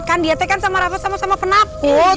kan di rete kan sama rafa sama sama penakut